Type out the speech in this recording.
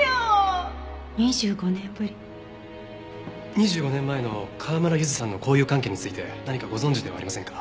２５年前の川村ゆずさんの交友関係について何かご存じではありませんか？